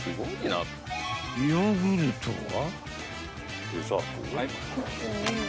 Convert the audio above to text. ［ヨーグルトは］